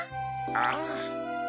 ああ。